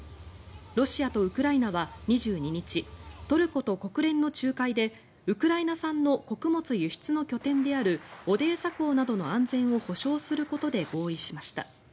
ロシアとウクライナは２２日トルコと国連の仲介でウクライナ産の穀物輸出の拠点であるオデーサ港などの安全を保証することで合意しました。